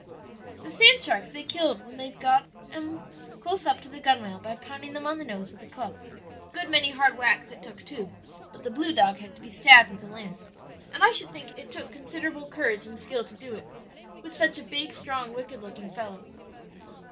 "The sand sharks they killed when they'd got 'em close up to the gunwale by pounding them on the nose with a club a good many hard whacks it took, too; but the blue dog had to be stabbed with a lance; and I should think it took considerable courage and skill to do it, with such a big, strong, wicked looking fellow.